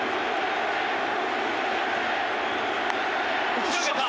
打ち上げた！